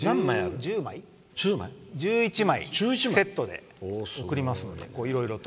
１１枚セットで送りますのでいろいろと。